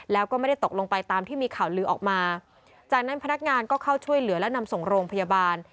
แล้วก็ไม่ได้ตกลงไปตามที่มีข่าวลือออกมาจากนั้นพนักงานก็เข้าช่วยเหลือและนำส่งโรงพยาบาล